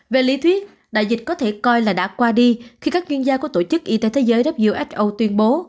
về lý thuyết đại dịch có thể coi là đã qua đi khi các chuyên gia của tổ chức y tế thế giới who tuyên bố